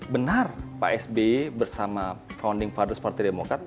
benar pak sby bersama founding fathers partai demokrat